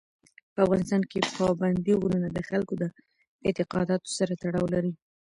په افغانستان کې پابندی غرونه د خلکو د اعتقاداتو سره تړاو لري.